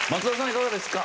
いかがですか？